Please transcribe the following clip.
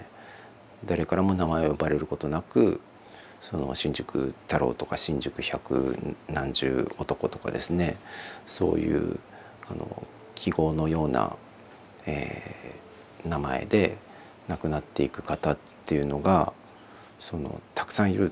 誰からも名前を呼ばれることなく新宿太郎とか新宿百何十男とかですねそういう記号のような名前で亡くなっていく方っていうのがたくさんいる。